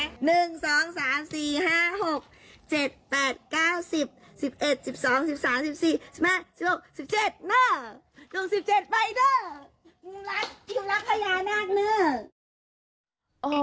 คุณลักษณ์คุณลักษณ์พยานาคเนี่ย